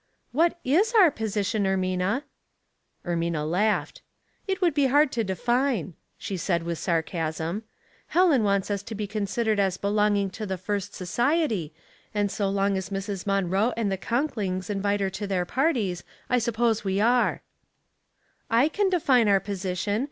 " What is our position, Ermina?" Ermina laughed. •■' It might be hard to define," she said, with sarcasm. '' Helen wants us to be considered as belonging to the first society, and so long as Mrs. Monroe and the Conklings invite her to their par ties I suppose we are." Debts and Doubts, 105 "/can define our position.